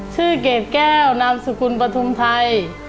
ชื่อเกดแก้วนามสุคุณปฐุมไทย